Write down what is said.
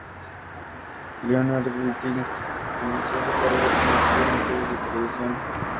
Leonard Whiting comenzó su carrera como actor en series de televisión.